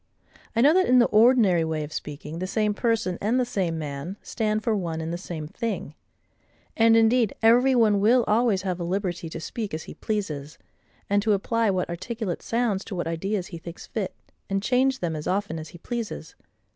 I know that, in the ordinary way of speaking, the same person, and the same man, stand for one and the same thing. And indeed every one will always have a liberty to speak as he pleases, and to apply what articulate sounds to what ideas he thinks fit, and change them as often as he pleases.